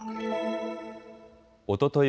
おととい